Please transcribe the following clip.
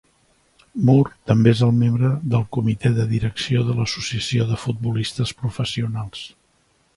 Moore també és membre del comitè de direcció de l'Associació de Futbolistes Professionals.